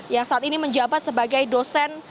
yang saat ini menjabat sebagai dosen